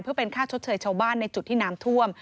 เพื่อเป็นค่าชดเชยชาวบ้านในจุดที่น้ำท่วม